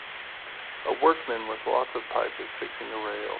A workman with lots of pipe is fixing a rail.